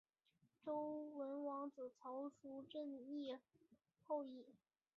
周文王子曹叔振铎后裔。